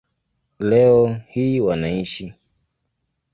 Leo hii wanaishi